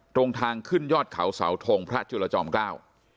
ตรงทางขึ้นยอดเขาเสาทงพระจุลจอมเกล้า